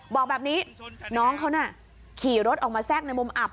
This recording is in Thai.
บอกแบบนี้น้องเขาน่ะขี่รถออกมาแทรกในมุมอับ